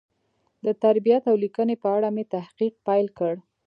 د ترتیب او لیکنې په اړه مې تحقیق پیل کړ.